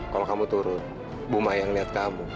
kalau kamu turun buma yang lihat kamu